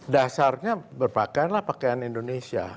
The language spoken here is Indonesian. dasarnya berpakaianlah pakaian indonesia